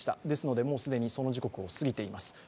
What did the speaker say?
ですので、既にその時刻を過ぎています。